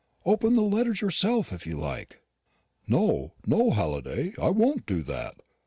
Open the letters yourself, if you like." "No, no, Halliday, I won't do that.